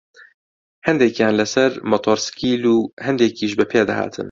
هەندێکیان لەسەر مۆتۆرسکیل و هەندێکیش بەپێ دەهاتن